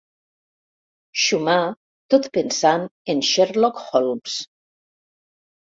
Xumar tot pensant en Sherlock Holmes.